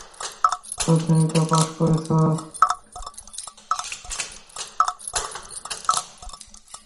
দ্বাদশ শ্রেণি তো পাশ করেছো।